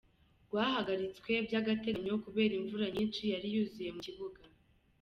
Rwahagaritswe vy'agateganyo kubera imvura nyinshi yari yuzuye mu kibuga.